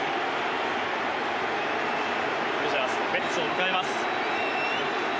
ドジャースのベッツを迎えます。